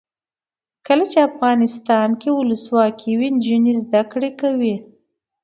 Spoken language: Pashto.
کله چې افغانستان کې ولسواکي وي نجونې زده کړې کوي.